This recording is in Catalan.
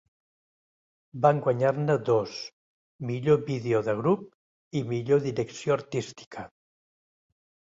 Van guanyar-ne dos, Millor Vídeo de Grup, i Millor Direcció Artística.